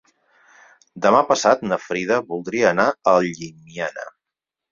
Demà passat na Frida voldria anar a Llimiana.